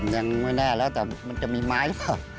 ยังไม่แน่แล้วแต่มันจะมีไม้หรือเปล่า